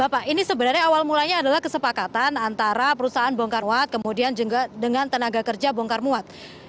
bapak ini sebenarnya awal mulanya adalah kesepakatan antara perusahaan bongkar wat kemudian juga dengan tenaga kerja bongkar muat